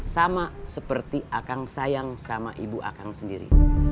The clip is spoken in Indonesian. sama seperti akang sayang sama ibu akang sendiri